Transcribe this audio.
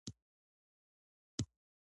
بله پوهه په تجربوي شکل ترلاسه کیږي.